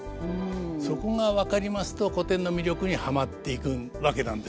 そこが分かりますと古典の魅力にハマっていくわけなんです。